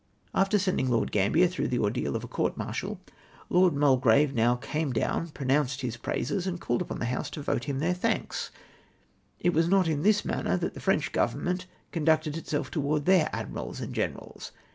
" After sending Lord Gambler through the ordeal of a court martial, Lord Mulgrave now came doAvu, pronounced liis praises, and called upon the House to vote him their thanks I It was not in this manner that the French govern ment conducted itself towards their admirals and generals.